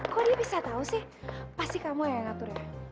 kok dia bisa tau sih pasti kamu yang ngatur ya